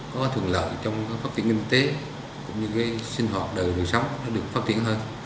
có thường lợi trong phát triển ngân tế cũng như sinh hoạt đời sống được phát triển hơn